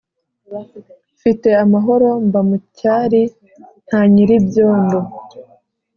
mfite amahoro mba mucyari nta nyiribyondo